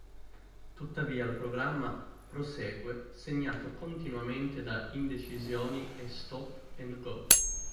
Tuttavia il programma prosegue segnato continuamente da indecisioni e stop and go.